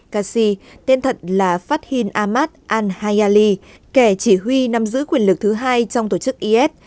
qassi tên thật là fathin ahmad al hayali kẻ chỉ huy nằm giữ quyền lực thứ hai trong tổ chức is